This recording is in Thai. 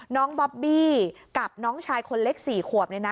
น้องบอบบี้กับน้องชายคนเล็ก๔ขวบเนี่ยนะ